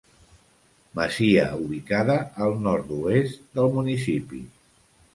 Masia ubicada al nord-oest del municipi.